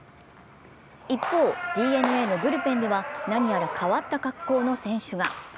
一方、ＤｅＮＡのブルペンでは何やら変わった格好の選手が。